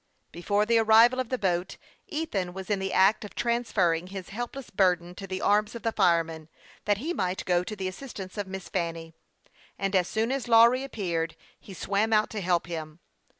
Before the arrival of the boat, Ethan was in the act of transferring his helpless burden to the arms of the fireman, that he might go to the assistance of Miss Fanny; and, as soon as Lawry appeared, he swam out to help him.